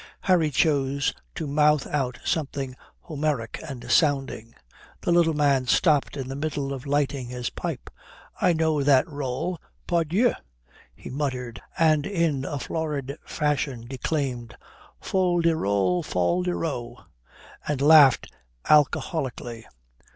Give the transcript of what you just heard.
Harry chose to mouth out something Homeric and sounding. The little man stopped in the middle of lighting his pipe. "I know that roll, pardieu!" he muttered, and in a florid fashion declaimed, "Fol de rol de row," and laughed alcoholically.